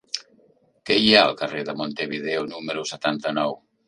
Què hi ha al carrer de Montevideo número setanta-nou?